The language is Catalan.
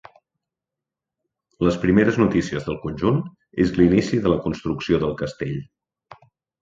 Les primeres notícies del conjunt és l'inici de la construcció del castell.